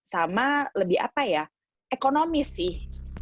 sama lebih apa ya ekonomis sih